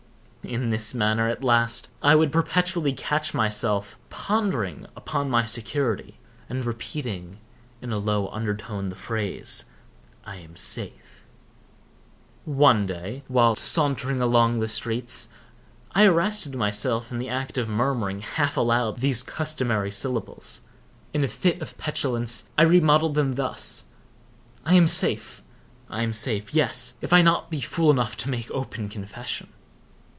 In this manner, at last, I would perpetually catch myself pondering upon my security, and repeating, in a low undertone, the phrase, "I am safe." One day, whilst sauntering along the streets, I arrested myself in the act of murmuring, half aloud, these customary syllables. In a fit of petulance, I remodelled them thus: "I am safe—I am safe—yes—if I be not fool enough to make open confession!"